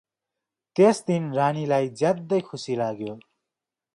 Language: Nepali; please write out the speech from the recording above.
त्यस दिन रानीलाई ज्यादै खुसी लाग्यो ।